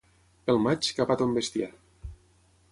Pel maig capa ton bestiar.